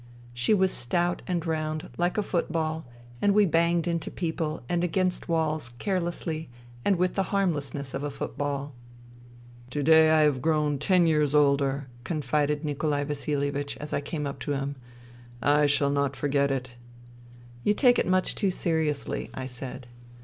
She was stout and round, like a football, and we banged into people and against walls carelessly and with the harmlessness of a football. " To day I have grown ten years older," confided Nikolai Vasilievich, as I came up to him. " I shall not forget it." " You take it much too seriously," I said.